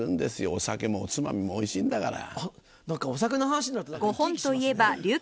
お酒もおつまみもおいしいんだから。